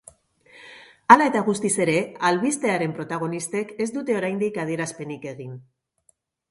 Hala eta guztiz ere, albistearen protagonistek ez dute oraindik adierazpenik egin.